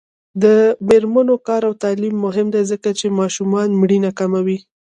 د میرمنو کار او تعلیم مهم دی ځکه چې ماشومانو مړینه کموي.